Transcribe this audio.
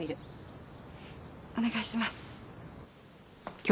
お願いします。